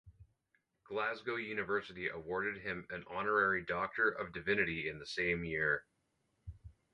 Glasgow University awarded him an honorary Doctor of Divinity in the same year.